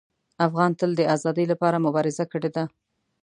افغان تل د ازادۍ لپاره مبارزه کړې ده.